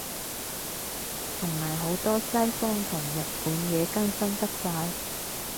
同埋好多西方同日本嘢更新得快